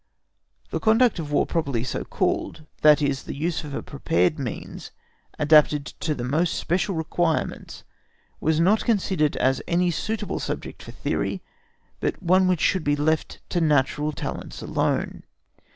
The conduct of War properly so called, that is, a use of the prepared means adapted to the most special requirements, was not considered as any suitable subject for theory, but one which should be left to natural talents alone.